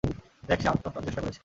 দেখ, সে আত্মহত্যার চেষ্টা করেছে।